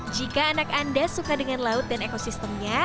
jika anak anda suka dengan laut dan ekosistemnya